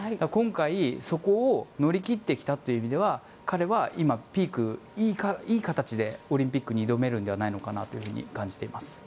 今回、そこを乗り切ってきたという意味では彼は今ピークいい形でオリンピックに挑めるのではないのかなと感じています。